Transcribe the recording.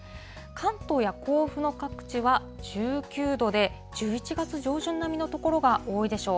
関東や甲府の各地は１９度で、１１月上旬並みの所が多いでしょう。